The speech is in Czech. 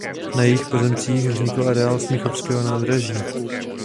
Na jejích pozemcích vznikl areál Smíchovského nádraží.